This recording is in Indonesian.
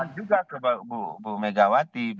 juga ke bu megawati